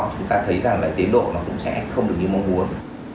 chúng ta thấy tiến độ sẽ không được như mong muốn